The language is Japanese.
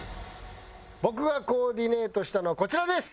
僕がコーディネートしたのはこちらです！